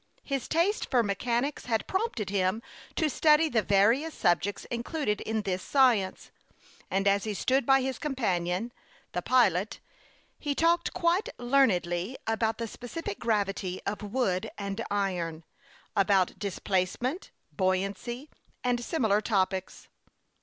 His taste for mechanics had prompted him to study the various subjects included in this science, and as he stood by his companion the pilot, he talked quite learnedly about the specific gravity of wood and iron, about displacement, buoyancy, and similar topics.